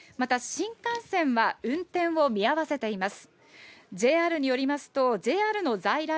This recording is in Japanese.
新幹線は運転を見合わせています。